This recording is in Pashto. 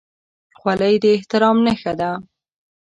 خولۍ د احترام نښه ده.